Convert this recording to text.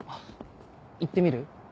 行ってみる？